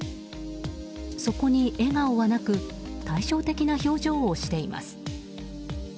そこに笑顔はなく対照的な表情をしています。